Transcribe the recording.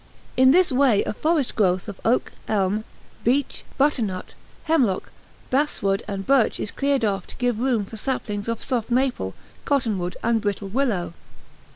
In this way a forest growth of oak, elm, beech, butternut, hemlock, basswood, and birch is cleared off to give room for saplings of soft maple, cottonwood, and brittle willow.